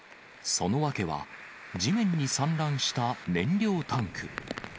その訳は、地面に散乱した燃料タンク。